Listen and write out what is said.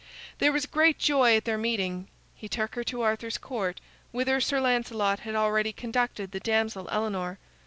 There was great joy at their meeting. He took her to Arthur's Court, whither Sir Lancelot had already conducted the damsel Elinor.